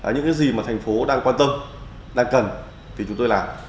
những cái gì mà thành phố đang quan tâm đang cần thì chúng tôi làm